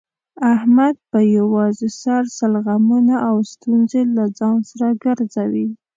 احمد په یووازې سر سل غمونه او ستونزې له ځان سره ګرځوي.